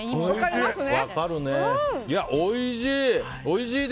おいしい！